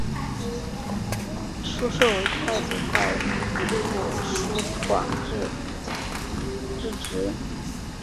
疏受为太子太傅疏广之侄。